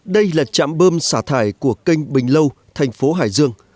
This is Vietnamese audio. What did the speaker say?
đây là trạm bơm xả thải của kênh bình lâu thành phố hải dương